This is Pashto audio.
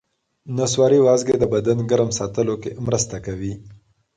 نسواري وازګې د بدن ګرم ساتلو کې مرسته کوي.